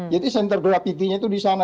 jadi center of gravity nya itu di sana